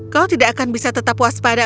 kau tidak akan bisa tetap waspada